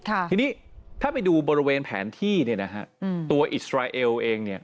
ทีนี้ถ้าไปดูบริเวณแผนที่ตัวอิสราเอลเอง